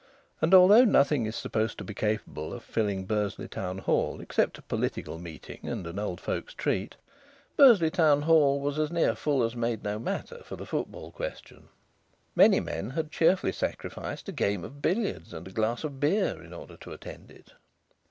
And although nothing is supposed to be capable of filling Bursley Town Hall except a political meeting and an old folk's treat, Bursley Town Hall was as near full as made no matter for the football question. Many men had cheerfully sacrificed a game of billiards and a glass of beer in order to attend it.